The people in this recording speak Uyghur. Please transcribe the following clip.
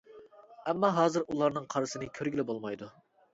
ئەمما ھازىر ئۇلارنىڭ قارىسىنى كۆرگىلى بولمايدۇ.